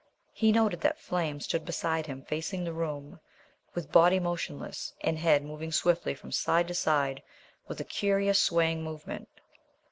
He noted that Flame stood beside him, facing the room, with body motionless, and head moving swiftly from side to side with a curious swaying movement.